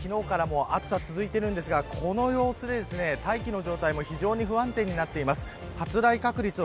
関東から西の地方では昨日から暑さが続いていますがこの様子で、大気の状態も非常に不安定になっています。